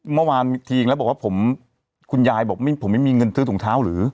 เมื่อวานทิ้งแล้วบอกว่าผมคุณยายบอกผมไม่มีเงินซื้อถุงเท้าหรือ